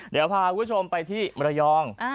เดี๋ยวพาคุณผู้ชมไปที่มรยอง